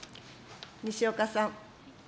西岡さん。